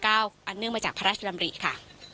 เนื่องมาจากพระราชดำริค่ะ